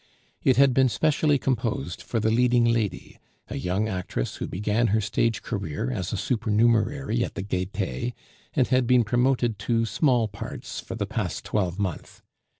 It had been specially composed for the leading lady, a young actress who began her stage career as a supernumerary at the Gaite, and had been promoted to small parts for the last twelvemonth.